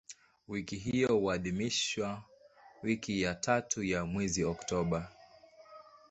Wiki hiyo huadhimishwa wiki ya tatu ya mwezi Oktoba.